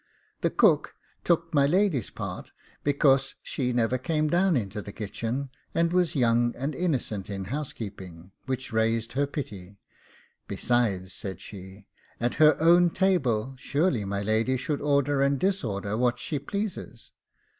The cook took my lady's part, because she never came down into the kitchen, and was young and innocent in housekeeping, which raised her pity; besides, said she, at her own table, surely my lady should order and disorder what she pleases.